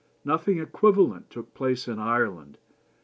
Nothing equivalent took place in Ireland.